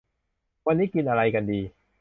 วันนี้กินอะไรกันดี